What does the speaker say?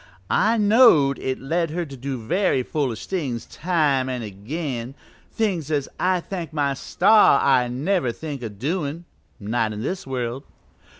I've knowed it lead her to do very foolish things time an' again things as I thank my star I'd never think o' doin' not in this world."